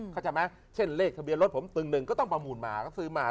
เข้าใจไหมเช่นเลขทะเบียนรถผมตึงหนึ่งก็ต้องประมูลมาก็ซื้อมา